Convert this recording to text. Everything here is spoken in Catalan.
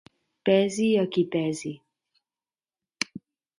Pesi a qui pesi.